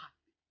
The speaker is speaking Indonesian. aku ingin tahu